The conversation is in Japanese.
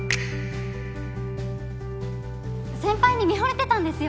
先輩に見惚れてたんですよ